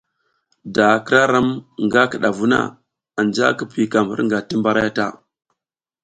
Da k ira ram nga kidavu na, anja ki piykam hirnga ti mbaray ta.